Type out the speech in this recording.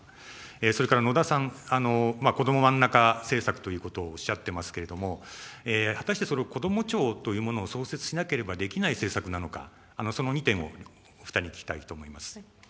それから野田さん、子ども真ん中政策ということをおっしゃっていますけれども、果たして、そのこども庁というものを創設しなければできない政策なのか、その２点をお２人に聞きたいと思います。